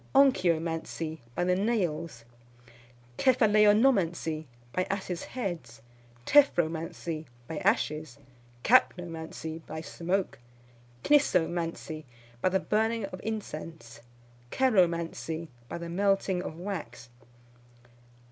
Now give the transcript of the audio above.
Onchyomancy, by the nails. Cephaleonomancy, by asses' heads. Tephromancy, by ashes. Kapnomancy, by smoke. Knissomancy, by the burning of incense. Ceromancy, by the melting of wax.